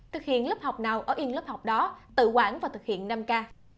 thực hiện lớp học nào ở yên lớp học đó tự quản và thực hiện năm k